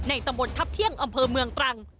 ตำบลทัพเที่ยงอำเภอเมืองตรัง